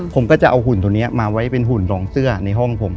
ผมก็จะเอาหุ่นตัวนี้มาไว้เป็นหุ่นดองเสื้อในห้องผม